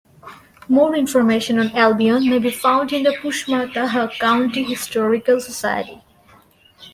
More information on Albion may be found in the Pushmataha County Historical Society.